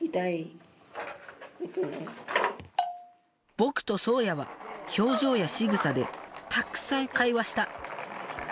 僕とそうやは表情やしぐさでたくさん会話した。